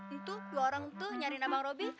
itu dua orang tuh nyariin abang roby